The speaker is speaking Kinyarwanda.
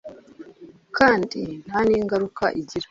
kandi nta n'ingaruka igira